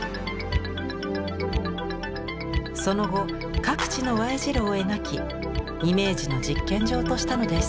その後各地のＹ字路を描きイメージの実験場としたのです。